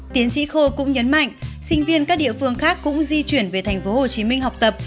tiến sĩ khô cũng nhấn mạnh sinh viên các địa phương khác cũng di chuyển về tp hcm học tập